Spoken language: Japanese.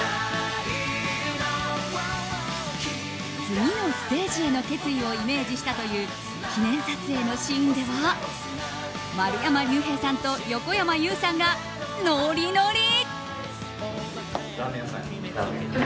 次のステージへの決意をイメージしたという記念撮影のシーンでは丸山隆平さんと横山裕さんがノリノリ。